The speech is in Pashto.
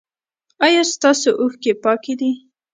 ایا ستاسو اوښکې پاکې دي؟